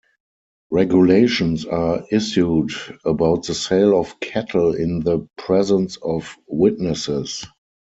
Regulations are issued about the sale of cattle in the presence of witnesses.